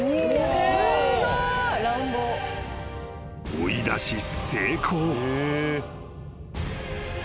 ［追い出し成功］